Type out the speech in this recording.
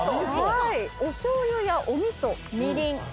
おしょうゆやお味噌みりん